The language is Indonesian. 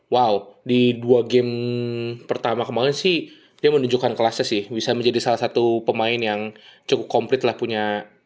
wow di dua game pertama kemarin sih dia menunjukkan kelasnya sih bisa menjadi salah satu pemain yang cukup komplit lah punya